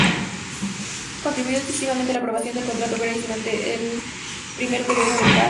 Contribuyó decisivamente a la aprobación del contrato Grace durante el primer gobierno de Cáceres.